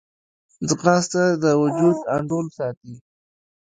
ځغاسته د وجود انډول ساتي